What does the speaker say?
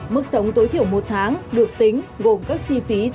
mức sống tối thiểu một tháng được tính gồm các chi phí